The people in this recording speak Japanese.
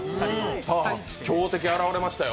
さあ、強敵現れましたよ。